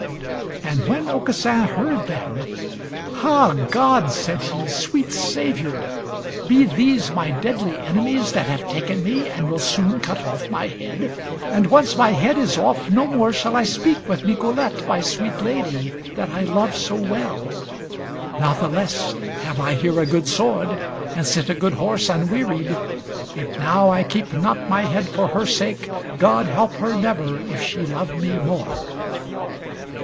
And when Aucassin heard them, "Ha! God," said he, "sweet Saviour. Be these my deadly enemies that have taken me, and will soon cut off my head? And once my head is off, no more shall I speak with Nicolete, my sweet lady, that I love so well. Natheless have I here a good sword, and sit a good horse unwearied. If now I keep not my head for her sake, God help her never, if she love me more!"